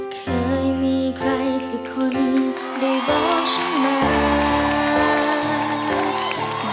เคยมีใครสักคนได้บอกฉันมา